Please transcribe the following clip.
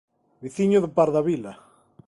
Veciño de Pardavila.